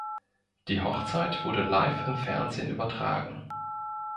Die Hochzeit wurde live im Fernsehen übertragen.